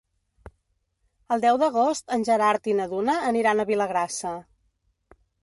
El deu d'agost en Gerard i na Duna aniran a Vilagrassa.